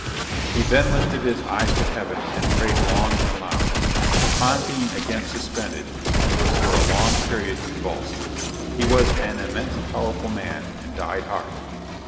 He then lifted his eyes to Heaven, and prayed long and loud. Upon being again suspended, he was for a long period convulsed. He was an immense powerful man, and died hard.